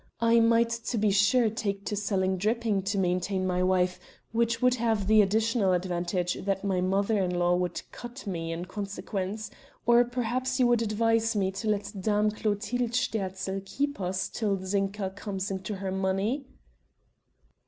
I might to be sure take to selling dripping to maintain my wife, which would have the additional advantage that my mother in law would cut me in consequence. Or perhaps you would advise me to let Dame Clotilde Sterzl keep us till Zinka comes into her money?"